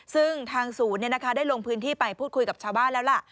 ซึ่งทางศูนย์ได้ลงพื้นที่ไปพูดคุยกับชาวบ้านแล้วล่ะ